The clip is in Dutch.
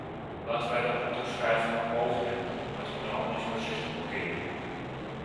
Laten wij dat maar toeschrijven aan pogingen om het onderhandelingsproces te blokkeren.